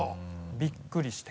びっくりして。